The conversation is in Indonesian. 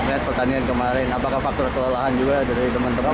lihat pertandingan kemarin apakah faktor kelelahan juga dari teman teman